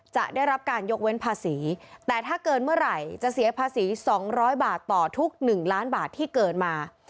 จะได้รับการยกเว้นภาษีแต่ถ้าเกินเมื่อไหร่จะเสียภาษี๒๐๐บาทต่อทุก๑ล้านบาทที่เกินมา